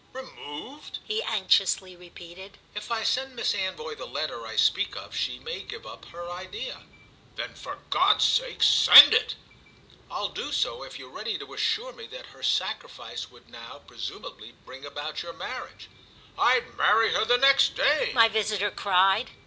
"Removed?" he anxiously repeated. "If I send Miss Anvoy the letter I speak of she may give up her idea." "Then for God's sake send it!" "I'll do so if you're ready to assure me that her sacrifice would now presumably bring about your marriage." "I'd marry her the next day!" my visitor cried.